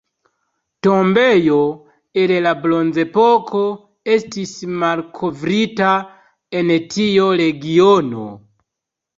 Tombejo el la Bronzepoko estis malkovrita en tiu regiono.